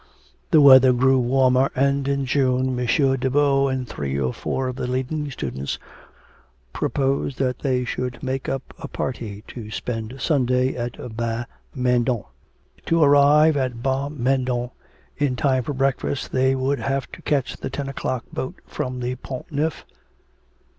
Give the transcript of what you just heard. The weather grew warmer, and, in June, M. Daveau and three or four of the leading students proposed that they should make up a party to spend Sunday at Bas Mendon. To arrive at Bas Mendon in time for breakfast they would have to catch the ten o'clock boat from the Pont Neuf.